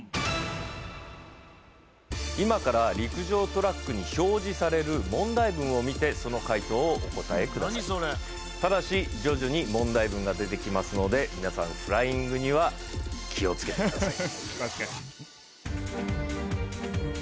今から陸上トラックに表示される問題文を見てその解答をお答えくださいただし徐々に問題文が出てきますので皆さんフライングには気をつけてください